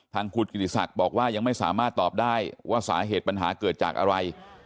ทางคุณกิติศักดิ์บอกว่ายังไม่สามารถตอบได้ว่าสาเหตุปัญหาเกิดจากอะไร